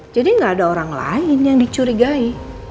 jadi nggak ada orang lain yang dicurigai